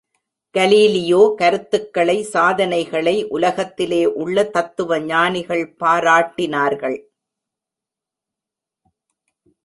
Galileo கருத்துக்கனை, சாதனைகளை உலகத்திலே உள்ள தத்துவஞானிகள் பாராட்டினார்கள்!